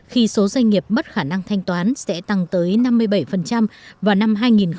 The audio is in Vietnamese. khi số doanh nghiệp mất khả năng thanh toán sẽ tăng tới năm mươi bảy vào năm hai nghìn hai mươi